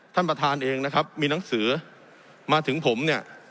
ท่านประธานเองนะครับมีหนังสือมาถึงผมเนี่ย